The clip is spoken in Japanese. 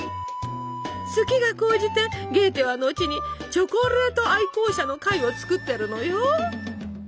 好きが高じてゲーテはのちに「チョコレート愛好者の会」を作ってるのよ。